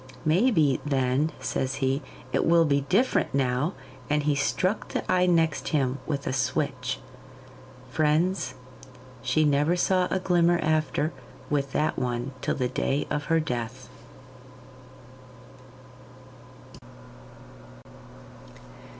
'Maybe, then,' says he, 'it will be different now,' and he struck the eye next him with a switch. Friends, she never saw a glimmer after with that one till the day of her death.